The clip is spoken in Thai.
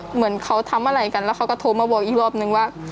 เหมือนเขาทำอะไรกันแล้วเขาก็โทรมาบอกอีกรอบนึงว่า